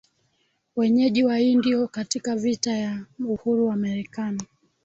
wenyeji Waindio Katika vita ya uhuru wa Marekani